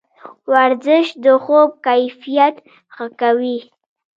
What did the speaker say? ورزش د خوب کیفیت ښه کوي.